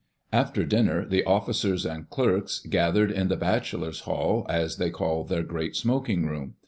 After dinner the officers and clerks gathered in the Bachelors* Hall, as they called their great smoking room.